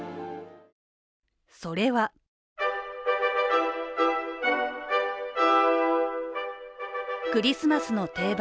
それは、クリスマスの定番